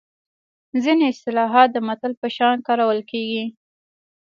ځینې اصطلاحات د متل په شان کارول کیږي